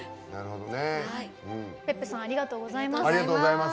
ｐｅｐｐｅさんありがとうございます。